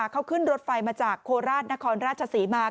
เขาขึ้นรถไฟมาจากโคราชนครราชศรีมา